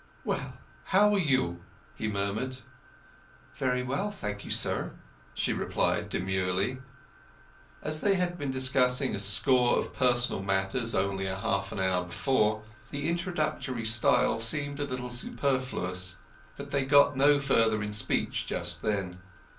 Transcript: "Well, how are you?" he murmured. "Very well, thank you, sir," she replied demurely. As they had been discussing a score of personal matters only half an hour before, the introductory style seemed a little superfluous. But they got no further in speech just then.